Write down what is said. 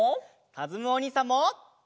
かずむおにいさんも！